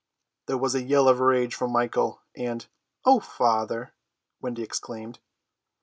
There was a yell of rage from Michael, and "O father!" Wendy exclaimed.